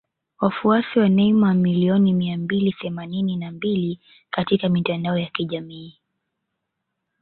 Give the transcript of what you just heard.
Wafuasi wa Neymar milioni mia mbili themanini na mbili katika mitandao ya kijamii